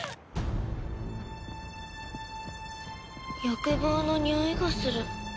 欲望のにおいがする。